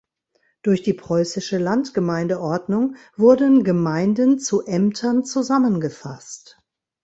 Durch die Preußische Landgemeindeordnung wurden Gemeinden zu Ämtern zusammenfasst.